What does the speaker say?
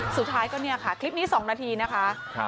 สุดท้ายก็เนี่ยค่ะคลิปนี้๒นาทีนะคะ